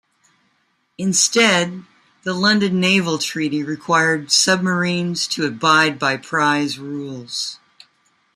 Instead, the London Naval Treaty required submarines to abide by prize rules.